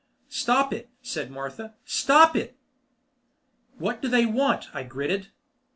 "Stop it," said Martha. "Stop it!" "What do they want?" I gritted.